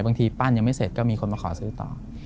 ปั้นยังไม่เสร็จก็มีคนมาขอซื้อต่อ